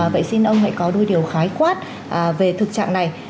vậy xin ông hãy có đôi điều khái quát về thực trạng này